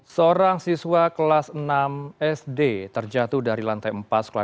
seorang siswa kelas enam sd terjatuh dari lantai empat sekolah